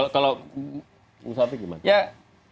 kalau soeharto gimana